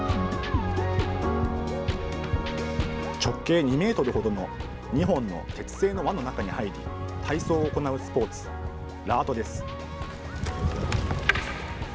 直径２メートルほどの２本の鉄製の輪の中に入り体操を行うスポーツ、ラートです。